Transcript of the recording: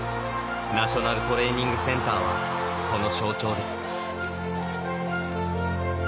ナショナルトレーニングセンターはその象徴です。